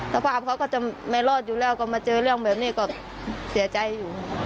สภาพเขาก็จะไม่รอดอยู่แล้วก็มาเจอเรื่องแบบนี้ก็เสียใจอยู่